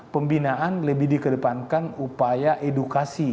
pembinaan lebih dikedepankan upaya edukasi